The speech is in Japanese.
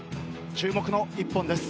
注目の１本です。